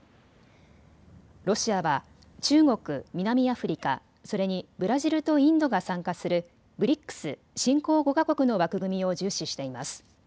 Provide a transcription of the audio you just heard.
ロシアは中国、南アフリカ、それにブラジルとインドが参加するＢＲＩＣＳ・新興５か国の枠組みを重視しています。